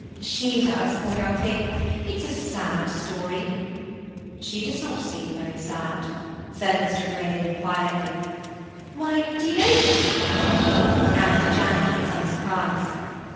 "She does, poor young thing! Ah, it's a sad story!" "She does not seem very sad," said Mr. Greydon, quietly. "Why, do you know them, Mr. Greydon?" asked Janet, with some surprise.